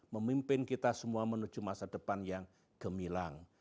memimpin kita semua menuju masa depan yang gemilang